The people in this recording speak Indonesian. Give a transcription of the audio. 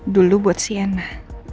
dulu buat sienna